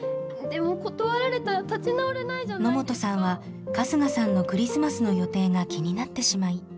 野本さんは春日さんのクリスマスの予定が気になってしまい。